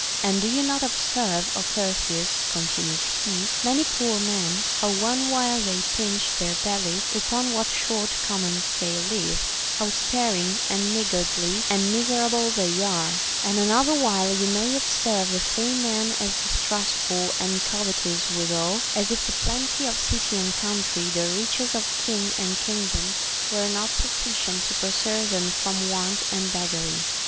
And do you not observe, Ο Chersias, continues he, many poor men, — how one while they pinch their bellies, upon what short commons they live, how sparing and niggardly and miser able they are ; and another while you may observe the same men as distrustful and covetous withal, as if the plenty of citv and countrv, the riches of kins: and kingdom were not sufficient to preserve them from want and beggary.